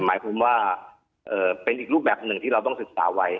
หมายความว่าเป็นอีกรูปแบบหนึ่งที่เราต้องศึกษาไว้